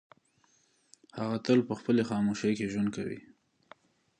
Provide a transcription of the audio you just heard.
هغه تل په خپلې خاموشۍ کې ژوند کوي.